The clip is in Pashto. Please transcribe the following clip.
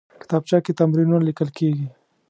کتابچه کې تمرینونه لیکل کېږي